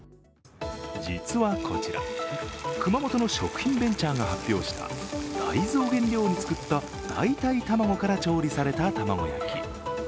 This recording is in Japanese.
実はこちら、熊本の食品ベンチャーが発表した大豆を原料に使った代替卵から調理された卵焼き。